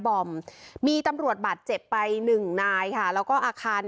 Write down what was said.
บอมมีตำรวจบาดเจ็บไปหนึ่งนายค่ะแล้วก็อาคาร